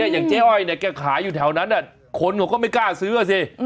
อย่างเจ๊อ้อยเนี่ยแกขายอยู่แถวนั้นคนเขาก็ไม่กล้าซื้ออ่ะสิ